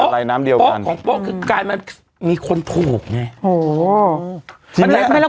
และน้ำเดียวกันของดังนั้นมีคนถูกไงโห